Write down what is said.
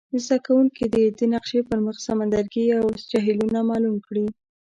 زده کوونکي دې د نقشي پر مخ سمندرګي او جهیلونه معلوم کړي.